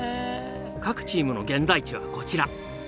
各チームの現在地はこちら。